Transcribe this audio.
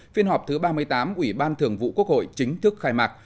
phiên họp thứ ba mươi tám ủy ban thường vụ quốc hội chính thức khai mạc